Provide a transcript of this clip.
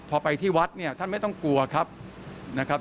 พอไปที่วัดเนี่ยท่านไม่ต้องกลัวครับนะครับ